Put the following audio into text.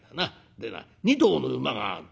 でな２頭の馬がある。